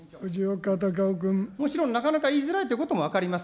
もちろんなかなか言いづらいということも分かります。